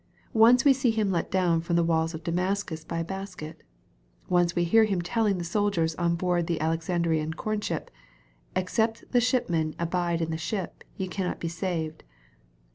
Once we see him let down from the walls of Damascus by a basket. Once we hear him telling the soldiers on board the Alexandrian corn ship, " Except the shipmen abide in the ship, ye cannot be saved."